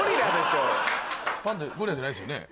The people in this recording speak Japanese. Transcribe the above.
ゴリラじゃないですよね？